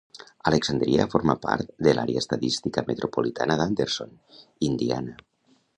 Alexandria forma part de l'Àrea Estadística Metropolitana d'Anderson, Indiana.